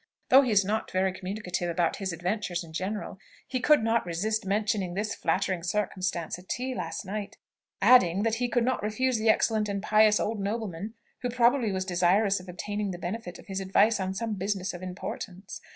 Though he is not very communicative about his adventures in general, he could not resist mentioning this flattering circumstance at tea last night; adding, that he could not refuse the excellent and pious old nobleman, who probably was desirous of obtaining the benefit of his advice on some business of importance.